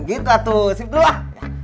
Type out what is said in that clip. gitu tuh sip dulu lah